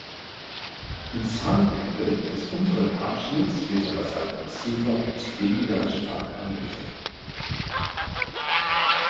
Ins Hangende des unteren Abschnitts wird der Basalt massiver und ist weniger stark angegriffen.